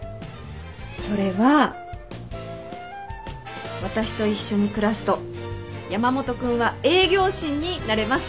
それは私と一緒に暮らすと山本君は営業神になれます。